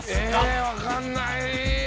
ええわかんない。